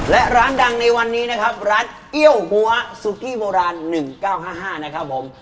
และร้านดังในวันนี้นะครับร้านเอี้ยวหัวสุกี้โบราณ๑๙๕๕นะครับผม